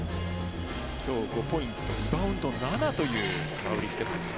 今日、５ポイントリバウンド７という馬瓜ステファニー。